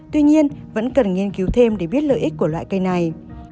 tuy nhiên vẫn cần nghiên cứu thêm để biết lợi ích của loại cây này